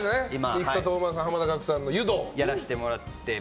生田斗真さん、濱田岳さんの。